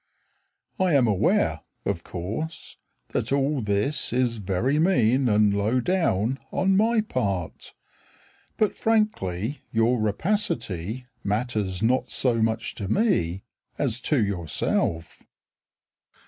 I am aware, of course, That all this is very mean And low down On my part, But frankly Your rapacity Matters not so much to me As to yourself.